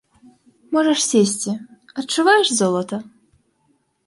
Можаш сесці, адчуваеш золата?